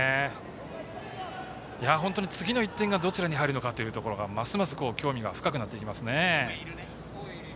本当に次の１点がどちらに入るかということがますます興味が深くなってきます。